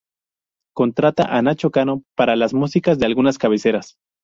Contrata a Nacho Cano para las músicas de algunas cabeceras.